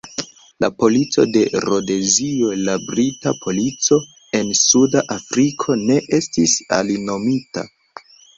La polico de Rodezio, la Brita Polico en Suda Afriko, ne estis alinomita.